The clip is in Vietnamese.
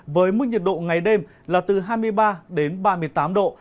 với mức nhiệt độ ngày đêm là từ hai mươi ba đến ba mươi tám độ